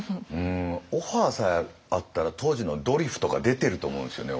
オファーさえあったら当時の「ドリフ」とか出てると思うんですよね